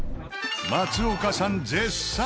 松岡さん絶賛！